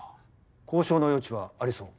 交渉の余地はありそう？